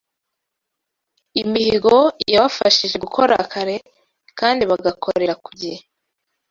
Imihigo yabafashije gukora kare kandi bagakorera kugihe